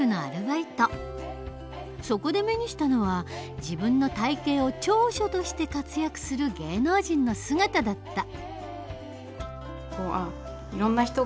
そこで目にしたのは自分の体型を長所として活躍する芸能人の姿だった。